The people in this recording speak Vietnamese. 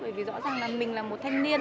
bởi vì rõ ràng là mình là một thanh niên